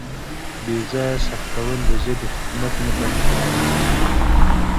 بې ځایه سختول د ژبې خدمت نه بلکې خیانت دی.